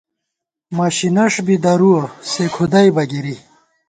مشی نَش بی درُوَہ ، سےکُھدئیبہ گِری